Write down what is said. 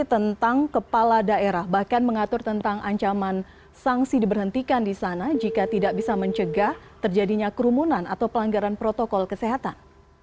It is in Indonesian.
tentang kepala daerah bahkan mengatur tentang ancaman sanksi diberhentikan di sana jika tidak bisa mencegah terjadinya kerumunan atau pelanggaran protokol kesehatan